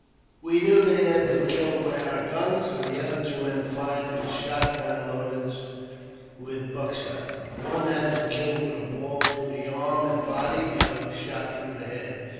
We knew they had been killed by our guns, for the other two men fired with shot guns loaded with buck shot. One had been killed with a ball through the arm and body ; the other was shot through the head.